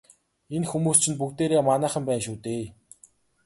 Энэ хүмүүс чинь бүгдээрээ манайхан байна шүү дээ.